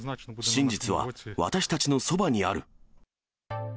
真実は私たちのそばにある。